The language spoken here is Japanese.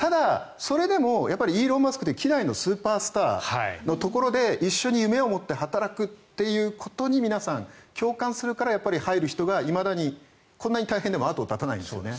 それでもイーロン・マスクって稀代のスーパースターのところで一緒に夢を持って働くところに皆さん、共感するから入る人がいまだにこんなに大変でも後を絶たないんですね。